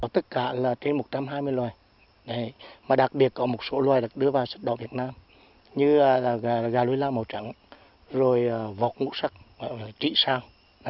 trên một trăm hai mươi loài đặc biệt có một số loài đưa vào sự đọc việt nam như gà lôi lam màu trắng vọc ngũ sắc chỉ sao